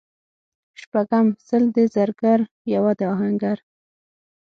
شپږم:سل د زرګر یوه د اهنګر